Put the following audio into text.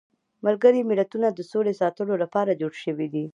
ملګري ملتونه د سولې ساتلو لپاره جوړ شویدي.